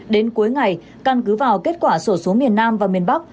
đến cuối ngày căn cứ vào kết quả sổ số miền nam và miền bắc